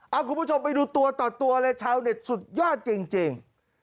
เอาคุณผู้ชมไปดูตัวต่อตัวเลยชาวเน็ตสุดยอดจริง